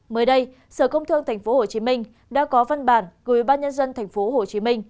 mới đây sở công thương tp hcm đã có văn bản gửi ban nhân dân tp hcm